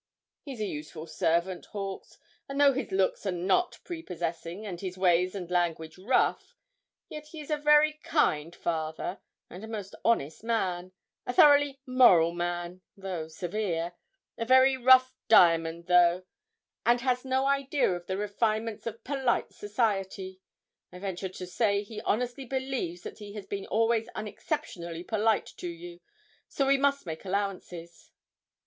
'He's a useful servant, Hawkes; and though his looks are not prepossessing, and his ways and language rough, yet he is a very kind father, and a most honest man a thoroughly moral man, though severe a very rough diamond though, and has no idea of the refinements of polite society. I venture to say he honestly believes that he has been always unexceptionably polite to you, so we must make allowances.'